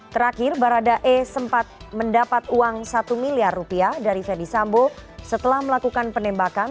terakhir baradae sempat mendapat uang satu miliar rupiah dari fendi sambo setelah melakukan penembakan